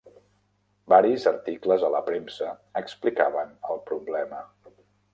Varis articles a la premsa explicaven el problema.